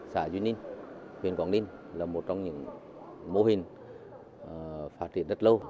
xã duy ninh huyện quảng ninh là một trong những mô hình phát triển rất lâu